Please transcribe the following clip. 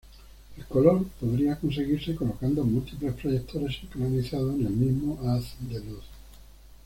El color podría conseguirse colocando múltiples proyectores sincronizados en el mismo haz de luz.